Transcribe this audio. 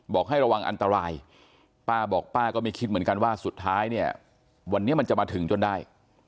ให้ระวังอันตรายป้าบอกป้าก็ไม่คิดเหมือนกันว่าสุดท้ายเนี่ยวันนี้มันจะมาถึงจนได้